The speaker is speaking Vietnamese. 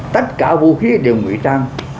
tất cả vũ khí đều ngụy trang